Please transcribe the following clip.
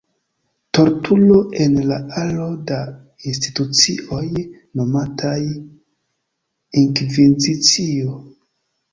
Torturo en la aro da institucioj nomataj “Inkvizicio”.